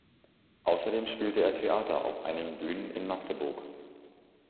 Außerdem spielte er Theater auf einigen Bühnen in Magdeburg.